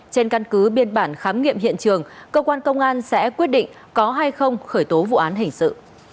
trên căn cứ biên bản khám nghiệm hiện trường cơ quan công an sẽ quyết định có hay không khởi tố vụ án hình sự